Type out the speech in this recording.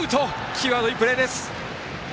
際どいプレーです。